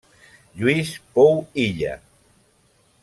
Lluís Pou Illa.